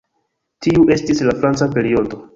Tiu estis la "franca periodo".